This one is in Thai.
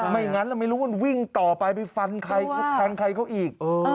ไม่งั้นไม่รู้ว่าวิ่งต่อไปไปฟันใครเขาอีก